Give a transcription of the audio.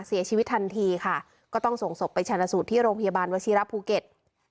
เสียชีวิตทันทีค่ะก็ต้องส่งศพไปชนะสูตรที่โรงพยาบาลวชิระภูเก็ต